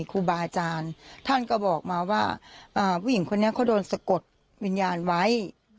ครูบาอาจารย์ท่านก็บอกมาว่าผู้หญิงคนนี้เขาโดนสะกดวิญญาณไว้